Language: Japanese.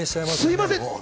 すいません！